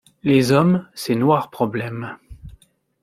Les hommes, ces noirs problèmes ;